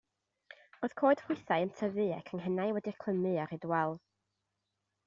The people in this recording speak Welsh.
Roedd coed ffrwythau yn tyfu a'u canghennau wedi'u clymu ar hyd wal.